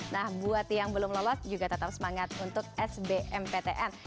nah buat yang belum lolos juga tetap semangat untuk sbmptn